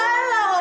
tante dora nolak